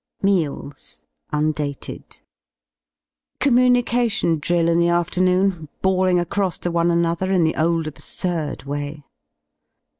MEALS Undated, Communication drill in the afternoon, bawling across to one another in the old absurd way.